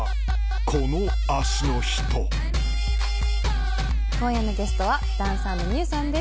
この足の人今夜のゲストはダンサーのＭｉｙｕさんです。